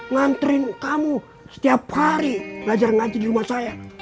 nganterin kamu setiap hari belajar ngaji di rumah saya